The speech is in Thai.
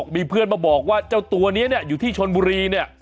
มีเพื่อนมาบอกว่าเจ้าตัวนี้เนี่ยอยู่ที่ชนบุรีเนี่ย